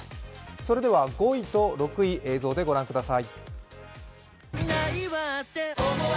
それでは、５位と６位、映像でご覧ください。